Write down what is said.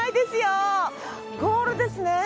ゴールですね。